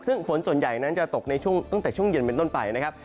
ซึ่งฝนส่วนใหญ่นั้นจะตกในช่วงตั้งแต่ช่วงเย็นเป็นต้นไปนะครับ